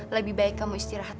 lebih baik kamu istirahat